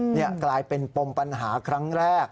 นี่กลายเป็นปมปัญหาครั้งแรก